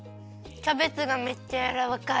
キャベツがめっちゃやらわかい。